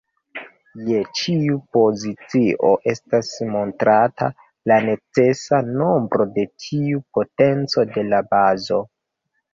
Je ĉiu pozicio, estas montrata la necesa nombro de tiu potenco de la bazo.